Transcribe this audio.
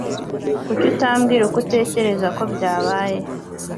Kuki utambwira uko utekereza ko byabaye